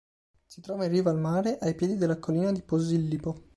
Si trova in riva al mare, ai piedi della collina di Posillipo.